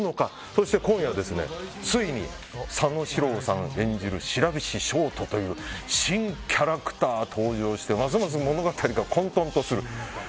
そして今夜ついに佐野史郎さん演じる白菱という新キャラクターが登場してますます物語が混とんとする。